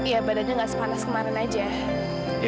ya badannya nggak sepanas kemarin aja